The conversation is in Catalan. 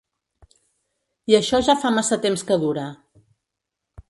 I això ja fa massa temps que dura.